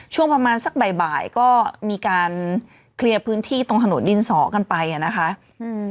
ช่วงประมาณสักบ่ายบ่ายก็มีการเคลียร์พื้นที่ตรงถนนดินสอกันไปอ่ะนะคะอืม